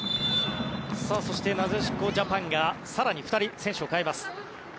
そしてなでしこジャパンが更に２人選手を代えます。